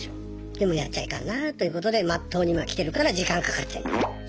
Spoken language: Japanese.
でもやっちゃいかんなということでまっとうに今来てるから時間かかってんだよ。